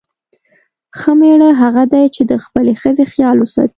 ښه میړه هغه دی چې د خپلې ښځې خیال وساتي.